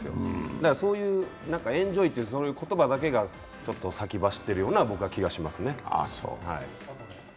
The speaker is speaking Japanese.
だからそういう「エンジョイ」という言葉だけが先走ってるような僕は気がしますね。